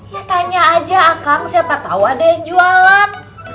ya tanya aja akang siapa tau ada yang jualan